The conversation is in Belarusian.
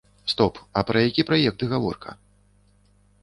Стоп, а пра які праект гаворка?